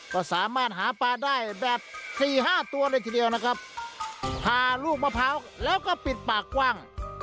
ก็สามารถหาปลาได้แบบสี่ห้าตัวเลยทีเดียวนะครับพาลูกมะพร้าวแล้วก็ปิดปากกว้าง